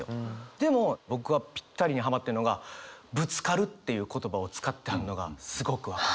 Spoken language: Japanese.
でも僕はぴったりにハマってんのが「ぶつかる」っていう言葉を使ってはるのがすごく分かる。